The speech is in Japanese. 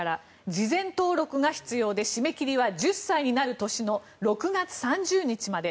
事前登録が必要で締め切りは１０歳になる年の６月３０日まで。